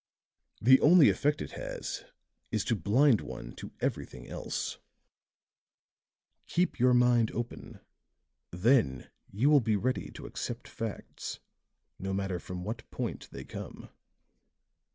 The only effect it has is to blind one to everything else; keep your mind open; then you will be ready to accept facts no matter from what point they come."